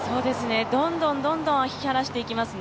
どんどん引き離していきますね。